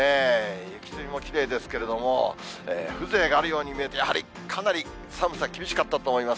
雪つりもきれいですけれども、風情があるように見えて、やはりかなり寒さ厳しかったと思います。